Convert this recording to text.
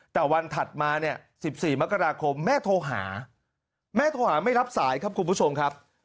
แต่วันถัดมาเนี่ย๑๔มกราคมแม่โทรหาแม่โทรหาไม่รับสายครับคุณผู้ชมครับ